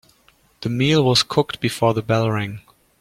The meal was cooked before the bell rang.